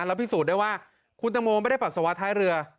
แล้วพิสูจน์ได้ว่าคุณตังโมไม่ได้ปัสสาวะท้ายเรือ